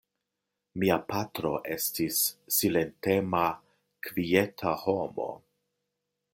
Mia patro estis silentema kvieta homo.